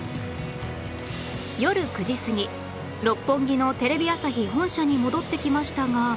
夜９時過ぎ六本木のテレビ朝日本社に戻ってきましたが